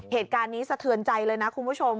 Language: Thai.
เหตุการณ์นี้สะเทือนใจเลยนะคุณผู้ชม